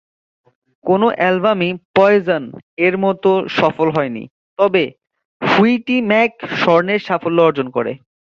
কোন অ্যালবামই "পয়জন" এর মত সফল হয়নি; তবে, হুইটি ম্যাক স্বর্ণের সাফল্য অর্জন করে।